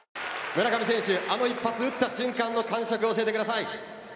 村上選手あの一発打った瞬間の感触を教えてください。